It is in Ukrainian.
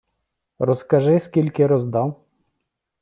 - Розкажи, скільки роздав.